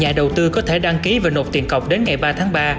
nhà đầu tư có thể đăng ký và nộp tiền cọc đến ngày ba tháng ba